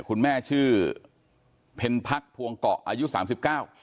คุณแม่ชื่อเพ็ญพักภวงเกาะอายุสามสิบเก้า